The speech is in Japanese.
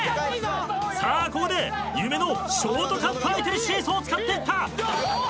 さあここで夢のショートカットアイテムシーソーを使っていった！